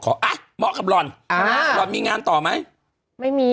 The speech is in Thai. อะมะกับหล่อนมีงานต่อไหม